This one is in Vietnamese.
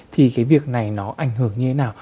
thì cái việc này nó ảnh hưởng như thế nào